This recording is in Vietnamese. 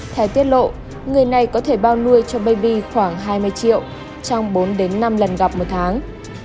theo tiết lộ người này có thể bao nuôi cho baby khoảng hai mươi triệu trong bốn đến năm lần gặp một tháng